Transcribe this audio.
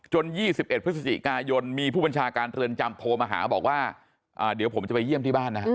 ๒๑พฤศจิกายนมีผู้บัญชาการเรือนจำโทรมาหาบอกว่าเดี๋ยวผมจะไปเยี่ยมที่บ้านนะฮะ